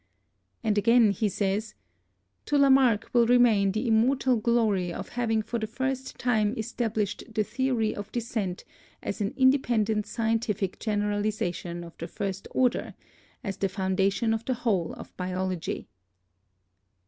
And again he says : "To Lamarck will remain the immortal glory of having for the first time established the theory of descent as an independent scientific generalization of the first order, as the foundation of the whole of Biology."